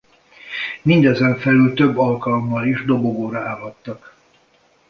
Mindezen felül több alkalommal is a dobogóra állhattak.